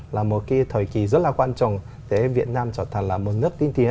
và hợp tác và hợp tác